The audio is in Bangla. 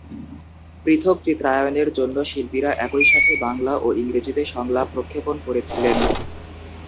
পৃথক চিত্রায়নের জন্য শিল্পীরা একই সাথে বাংলা ও ইংরেজিতে সংলাপ প্রক্ষেপণ করেছিলেন।